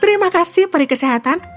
terima kasih perikesehatan